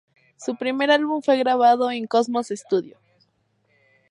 Su primer álbum fue grabado en el Cosmos Studio.